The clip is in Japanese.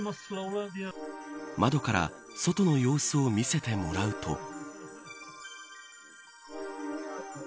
窓から外の様子を見せてもらうと。